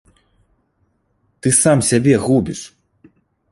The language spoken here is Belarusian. Ты сам сябе губіш!